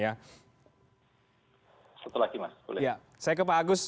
ya saya ke pak agus